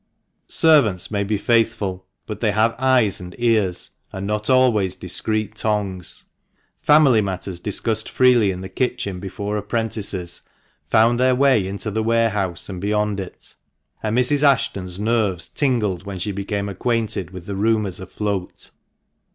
Servants may be faithful, but they have eyes and ears, and not always discreet tongues. Family matters discussed freely in the kitchen before apprentices found their way into the warehouse and beyond it, and Mrs. Ashton's nerves tingled when she became acquainted with the rumours afloat.